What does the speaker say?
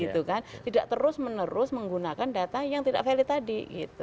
tidak terus menerus menggunakan data yang tidak valid tadi